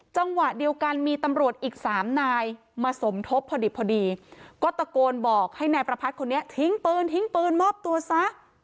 จังหวะเดียวกันมีตำรวจอีกสามนายมาสมทบพอดิบพอดีก็ตะโกนบอกให้นายประพัทธ์คนนี้ทิ้งปืนทิ้งปืนมอบตัวซะ